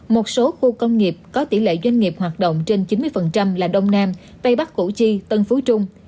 một số khu công nghiệp có tỷ lệ doanh nghiệp hoạt động trên chín mươi là đông nam tây bắc củ chi tân phú trung